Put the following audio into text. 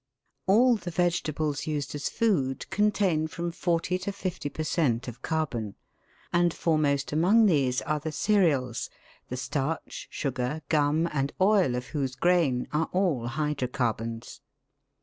All the vegetables used as food contain from forty to fifty per cent, of carbon, and foremost among these are the cereals, the starch, sugar, gum, and oil of whose grain are all hydro carbons.